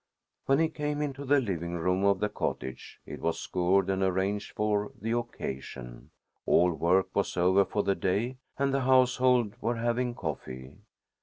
When he came into the living room of the cottage, it was scoured and arranged for the occasion. All work was over for the day, and the household were having coffee.